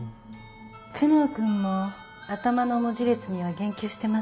久能君も頭の文字列には言及してますね。